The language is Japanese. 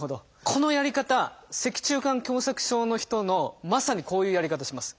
このやり方脊柱管狭窄症の人のまさにこういうやり方します。